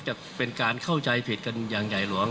จะเป็นการเข้าใจผิดกันอย่างใหญ่หลวง